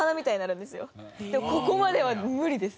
でもここまでは無理です。